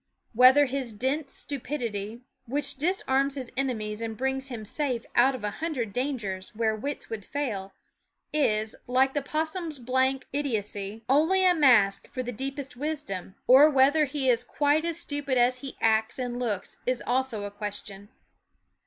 Whether his dense stupidity, which disarms his enemies and brings him safe out of a hundred dangers where wits would fail, is, like the possum's blank idiocy, only a mask for the deepest wisdom ; or whether he is THE WOODS H quite as stupid as he acts and looks is also a question.